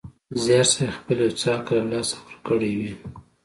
زیارصېب خپل یو څه عقل له لاسه ورکړی وي.